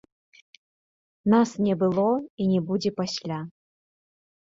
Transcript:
Нас не было і не будзе пасля.